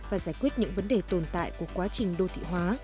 và giải quyết những vấn đề tồn tại của quá trình đô thị hóa